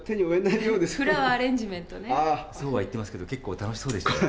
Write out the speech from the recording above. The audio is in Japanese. そうは言ってますけど結構楽しそうでしたよ。